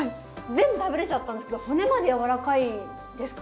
全部食べれちゃったんですけど骨までやわらかいですかね？